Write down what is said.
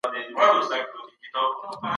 د ارغنداب سیند اوبه د غرونو څخه راځي.